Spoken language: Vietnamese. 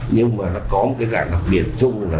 nhưng mà nó có một cái dạng đặc biệt chung là